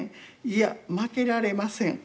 いや負けられません。